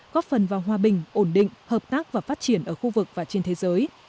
góp phần vào hòa bình ổn định hợp tác và phát triển ở khu vực và trên thế giới